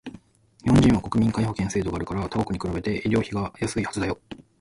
日本人は国民皆保険制度があるから他国に比べて医療費がやすいはずだよ